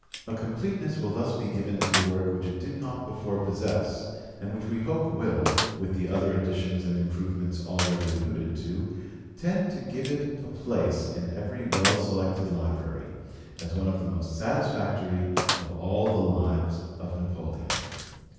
A completeness will thus be given to the work which it did not before possess, and which we hope will, with the other additions and improvements already alluded to, tend to give it a place in every well selected library, as one of the most satisfactory of all the lives of Napoleon.